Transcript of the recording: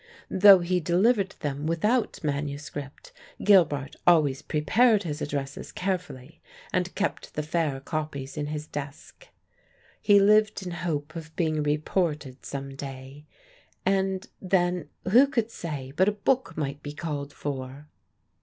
Though he delivered them without manuscript, Gilbart always prepared his addresses carefully and kept the fair copies in his desk. He lived in hope of being reported some day, and then who could say but a book might be called for?